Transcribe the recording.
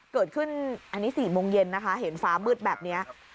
เกิดขึ้นอันนี้๔โมงเย็นนะคะเห็นฟ้ามืดแบบนี้